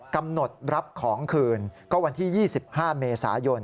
กำหนดรับของคืนก็วันที่๒๕เมษายน